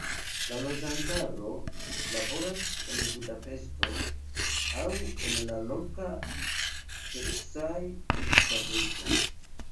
La loĝantaro laboras en Budapeŝto, aŭ en la loka teksaĵ-fabriko.